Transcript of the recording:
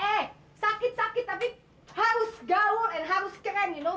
eh sakit sakit tapi harus gaul and harus keren you know